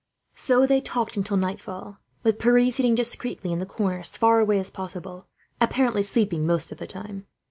So they talked until night fell, with Pierre sitting discreetly in the corner, as far away as possible, apparently sleeping most of the time.